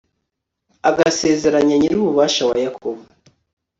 agasezeranya nyir'ububasha wa yakobo